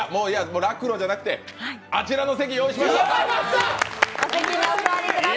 ＲａｋｕＲｏじゃなくてあちらの席用意しました。